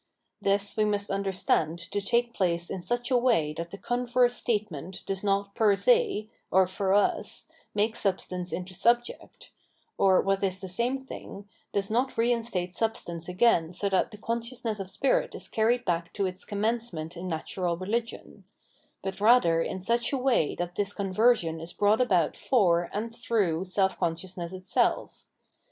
This we must understand to take place in such a way that the converse statement does not per se, or for us, make substance into subject, or, what is the same thing, does not reinstate substance again so that the consciousness of spirit is carried back to its commencement in natural religion ; but rather in such a way that this conversion is brought about for and thtongh seh consciousness itself.